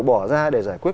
bỏ ra để giải quyết